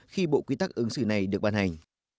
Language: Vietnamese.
khi bộ quy tắc ứng xử này được ban hành